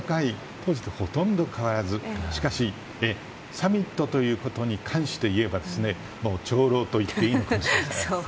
当時とほとんど変わらずしかしサミットということに関していえば長老と言っていいかもしれません。